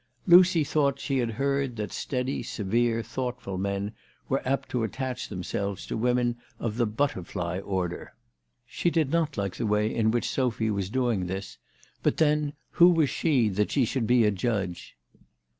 Lucy thought she hach heard that steady, severe, thoughtful men were apt to attach themselves to women of the butterfly order. She did not like the way in which Sophy was doing this ; but then, who 282 THE TELEGRAPH GIRL. was she that she should be a judge